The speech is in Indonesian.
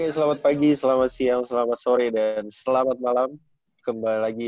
selamat pagi selamat siang selamat sore dan selamat malam kembali